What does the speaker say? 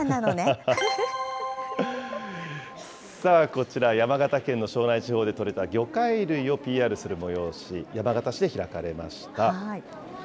こちら、山形県の庄内地方で取れた魚介類をＰＲする催し、山形市で開かれました。